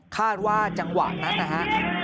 คาดว่าจังหวะนั้นนะฮะ